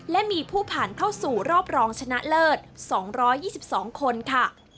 และมีผู้ผ่านเข้าสู่รอบรองชนะเลิศ๒๒คนค่ะ